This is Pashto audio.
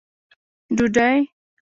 ډوډۍ